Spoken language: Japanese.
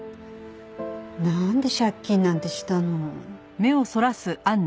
なんで借金なんてしたの？